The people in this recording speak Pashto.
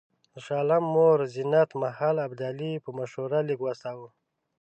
د شاه عالم مور زینت محل ابدالي په مشوره لیک واستاوه.